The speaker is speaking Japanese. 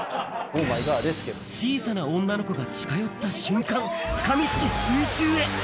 小さな女の子が近寄った瞬間、かみつき、水中へ。